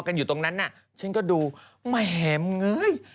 กันอยู่ตรงนั้นอะฉันก็ดูแหม่มงื่๊ย